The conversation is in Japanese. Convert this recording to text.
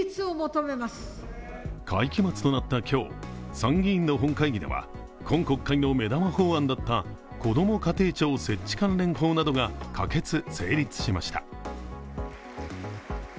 会期末となった今日、参議院の本会議では今国会の目玉法案だったこども家庭庁設置関連法などが可決・成立しました。